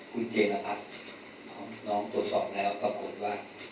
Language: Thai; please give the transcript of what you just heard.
คุณเจนระพัดน้องโดยสอบแล้วปรากฏว่า